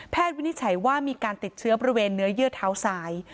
วินิจฉัยว่ามีการติดเชื้อบริเวณเนื้อเยื่อเท้าซ้าย